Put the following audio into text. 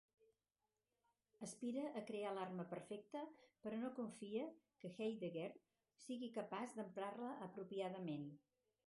Aspira a crear l'arma perfecta però no confia que Heidegger sigui capaç d'emprar-la apropiadament.